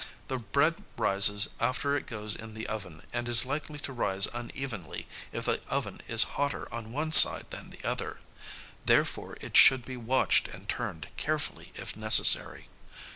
The bread rises after it goes in the oven, and is likely to rise unevenly if the oven is hotter on one side than the other; therefore it should be watched and turned carefully if necessary.